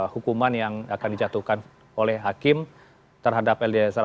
hukuman yang akan dijatuhkan oleh hakim terhadap eliezer